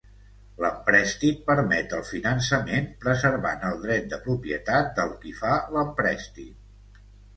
L'emprèstit permet el finançament preservant el dret de propietat del qui fa l'emprèstit.